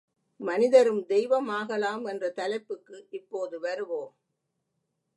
மனிதரும் தெய்வம் ஆகலாம் என்ற தலைப்புக்கு இப்போது வருவோம்.